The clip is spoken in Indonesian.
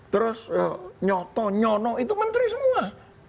terus nyoto nyono itu menteri semua